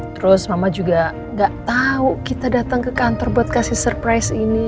terus mama juga gak tahu kita datang ke kantor buat kasih surprise ini